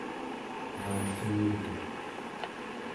naulluuguq